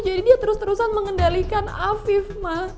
jadi dia terus terusan mengendalikan afif ma